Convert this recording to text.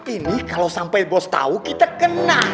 ini kalo sampai bos tau kita kena